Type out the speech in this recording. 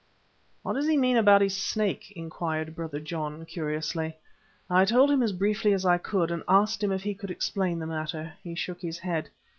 "What does he mean about his Snake?" inquired Brother John curiously. I told him as briefly as I could, and asked him if he could explain the matter. He shook his head.